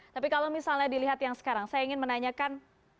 tapi kalau misalnya dilihat yang sekarang saya ingin menanyakan